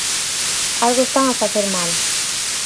Algo están a facer mal.